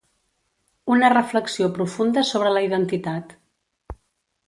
Una reflexió profunda sobre la identitat.